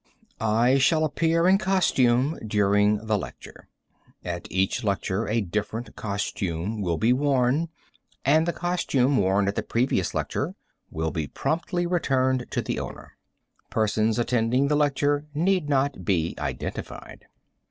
I shall appear in costume during the lecture. At each lecture a different costume will be worn, and the costume worn at the previous lecture will be promptly returned to the owner. Persons attending the lecture need not be identified.